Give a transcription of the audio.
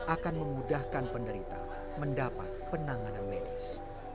akan memudahkan penderita mendapat penanganan medis